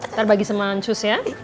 ntar bagi sama ancus ya